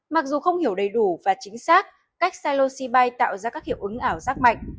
mặc dù không hiểu đầy đủ và chính xác cách psilocybe tạo ra các hiệu ứng ảo giác mạnh